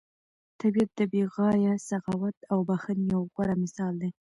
طبیعت د بې غایه سخاوت او بښنې یو غوره مثال دی.